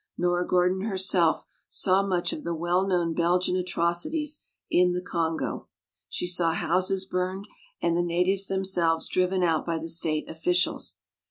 Nora Gordon herself saw much of the well known Belgian atrocities in the Congo. She saw houses burned and the natives themselves driven out by the state officials.